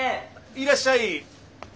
いらっしゃい！